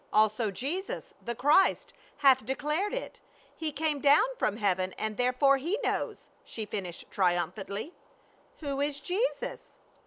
"Also Jesus, the Christ, hath declared it. He came down from heaven and therefore he knows," she finished triumphantly. "Who is Jesus?"